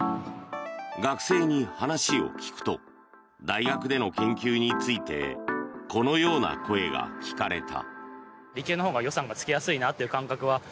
学生に話を聞くと大学での研究についてこのような声が聞かれた。